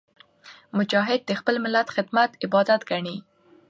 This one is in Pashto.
مجاهد د خپل ملت خدمت عبادت ګڼي.